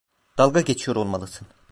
Dalga geçiyor olmalısın.